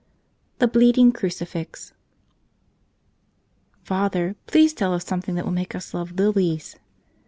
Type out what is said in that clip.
64 Cfce TBleeUing Ctucifii " ^^^ATHER, please tell us something that will JLp make us love lilies."